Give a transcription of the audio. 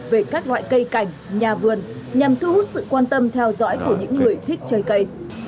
về các loại cây cảnh nhà vườn nhằm thu hút sự quan tâm theo dõi của những người thích chơi cây